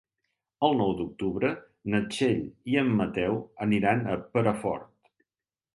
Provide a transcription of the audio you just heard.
El nou d'octubre na Txell i en Mateu aniran a Perafort.